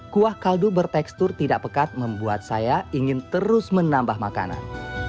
kuah kaldu bertekstur tidak pekat membuat saya ingin terus menambah makanan